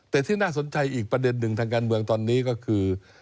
แต่ที่น่าสนใจอีกประเด็นหนึ่งทางการเมืองตอนนี้ก็คือ